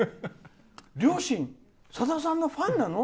両親、さださんのファンなの？